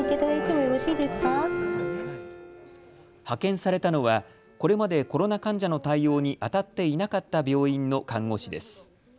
派遣されたのはこれまでコロナ患者の対応にあたっていなかった病院の看護師です。